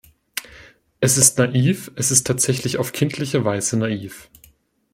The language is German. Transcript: Es ist naiv, es ist tatsächlich auf kindliche Weise naiv.